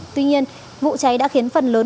tuy nhiên vụ cháy đã khiến phần lớn